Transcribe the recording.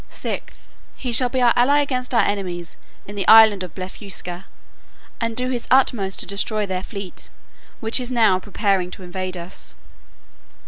"6th, He shall be our ally against our enemies in the island of Blefuscu, and do his utmost to destroy their fleet, which is now preparing to invade us.